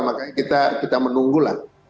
makanya kita menunggulah